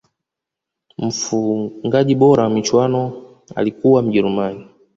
mfungaji bora wa michuano alikuwa mjerumani